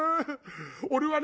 俺はね